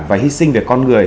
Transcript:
và hy sinh về con người